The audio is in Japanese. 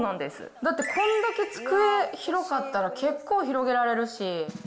だってこれだけ机、広かったら、結構、広げられるし。